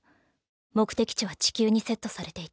目的地は地球にセットされていた。